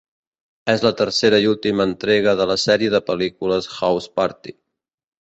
És la tercera i última entrega de la sèrie de pel·lícules "House Party".